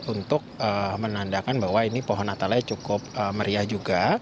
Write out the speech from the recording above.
untuk menandakan bahwa ini pohon natalnya cukup menarik